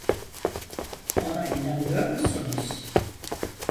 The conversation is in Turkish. Ona inanıyor musunuz?